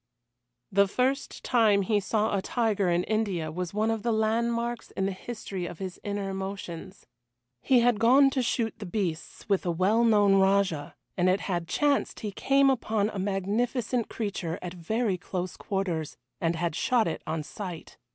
The first time he saw a tiger in India was one of the landmarks in the history of his inner emotions. He had gone to shoot the beasts with a well known Rajah, and it had chanced he came upon a magnificent creature at very close quarters and had shot it on sight.